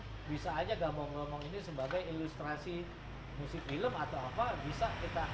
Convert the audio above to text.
jadi teman teman yang memang fungsinya itu ada tiga